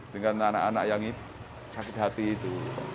dengan anak anak yang sakit hati itu